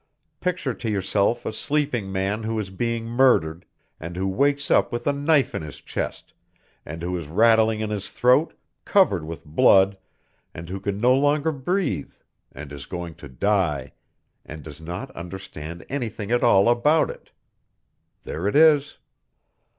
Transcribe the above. Picture to yourself a sleeping man who is being murdered and who wakes up with a knife in his chest, and who is rattling in his throat, covered with blood, and who can no longer breathe, and is going to die, and does not understand anything at all about it there it is.